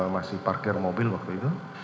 masih parkir mobil waktu itu